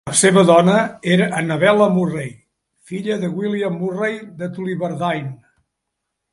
La seva dona era Annabella Murray, filla de William Murray, de Tullibardine.